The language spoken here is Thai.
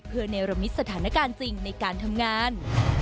เพื่อเนรมิตสถานการณ์จริงในการทำงาน